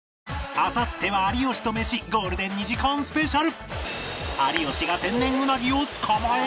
あさっては有吉とメシゴールデン２時間スペシャル